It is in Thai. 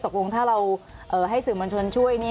โทษคงถ้าเราให้สื่อมัญชนช่วย